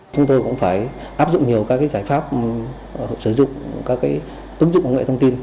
chúng tôi cũng phải áp dụng nhiều các giải pháp sử dụng các ứng dụng nguyện thông tin